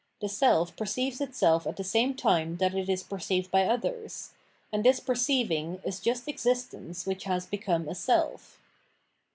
The seK perceives itself at the same time that it is perceived by others : and this perceiving is just existence which has become a self.